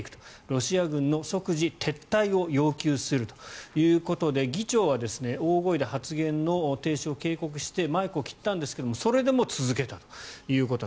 ロシア軍の即時撤退を要求するということで議長は大声で発言の停止を警告してマイクを切ったんですがそれでも続けたという。